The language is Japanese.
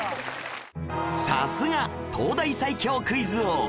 さすが東大最強クイズ王